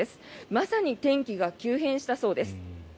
まさに天気が急変したそうです。